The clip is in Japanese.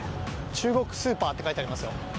中国スーパーって書いてありますよ。